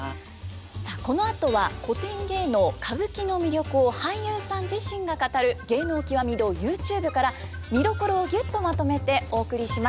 さあこのあとは古典芸能歌舞伎の魅力を俳優さん自身が語る「芸能きわみ堂ＹｏｕＴｕｂｅ」から見どころをギュッとまとめてお送りします。